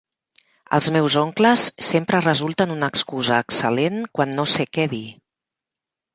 Els meus oncles sempre resulten una excusa excel·lent quan no sé què dir.